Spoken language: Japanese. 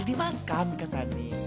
アンミカさんに。